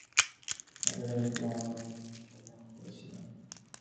Academy থেকে আমার paper প্রত্যাহার কেন করেছিলেন?